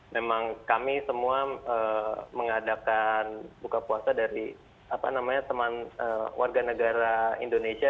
memang kami semua mengadakan buka puasa dari teman warga negara indonesia